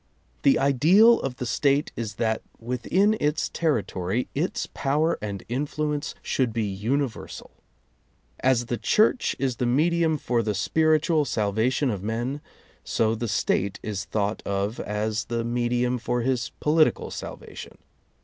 The ideal of the State is that within its territory its power and influence should be universal. As the Church is the medium for the spiritual salvation of men, so the State is thought of as the medium for his political salvatio|n.